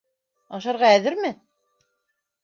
Ашарға әҙерме?